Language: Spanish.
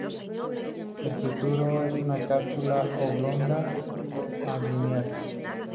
El fruto es una cápsula oblonga a lineal.